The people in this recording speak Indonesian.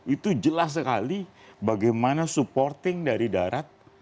itu jelas sekali bagaimana supporting dari darat